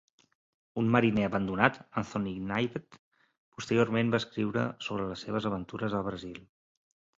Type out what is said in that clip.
Un mariner abandonat, Anthony Knivet, posteriorment va escriure sobre les seves aventures a Brasil.